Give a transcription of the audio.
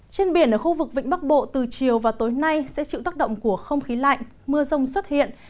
trên biển ở khu vực vịnh bắc bộ từ chiều và tối nay sẽ chịu tác động của không khí lạnh mưa rông xuất hiện